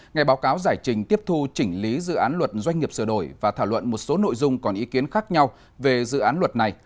ngày báo cáo giải trình tiếp thu chỉnh lý dự án luật doanh nghiệp sửa đổi và thảo luận một số nội dung còn ý kiến khác nhau về dự án luật này